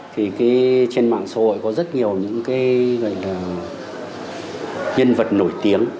thì trên mạng xã hội có rất nhiều những nhân vật nổi tiếng